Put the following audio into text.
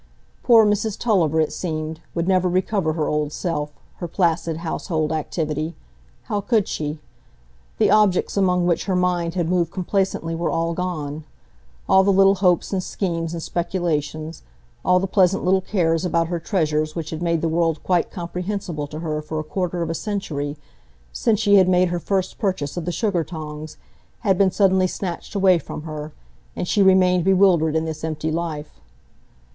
Poor Mrs Tulliver, it seemed, would never recover her old self, her placid household activity; how could she? The objects among which her mind had moved complacently were all gone,—all the little hopes and schemes and speculations, all the pleasant little cares about her treasures which had made the world quite comprehensible to her for a quarter of a century, since she had made her first purchase of the sugar tongs, had been suddenly snatched away from her, and she remained bewildered in this empty life.